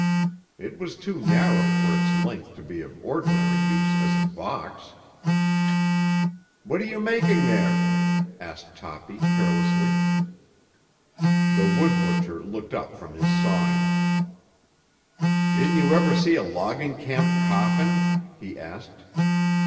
It was too narrow for its length to be of ordinary use as a box. "What are you making there?" asked Toppy carelessly. The "wood butcher" looked up from his sawing. "Didn't you ever see a logging camp coffin?" he asked.